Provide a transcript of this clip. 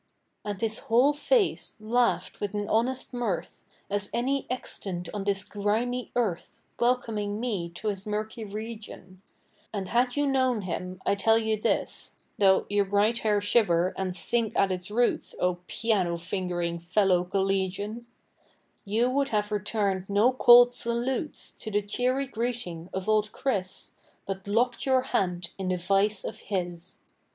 And his whole face laughed with an honest mirth, As any extant on this grimy earth, Welcoming me to his murky region; And had you known him, I tell you this Though your bright hair shiver and sink at its roots, O piano fingering fellow collegian You would have returned no cold salutes To the cheery greeting of old Chris, But locked your hand in the vise of his.